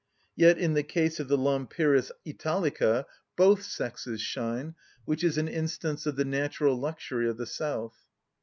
Yet in the case of the Lampyris Italica both sexes shine, which is an instance of the natural luxury of the South.